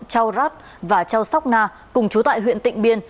chau rát và chau sóc na cùng chú tại huyện tịnh biên